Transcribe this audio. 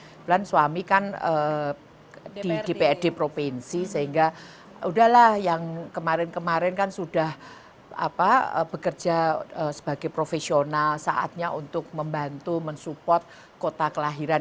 kebetulan suami kan di dprd provinsi sehingga udahlah yang kemarin kemarin kan sudah bekerja sebagai profesional saatnya untuk membantu mensupport kota kelahiran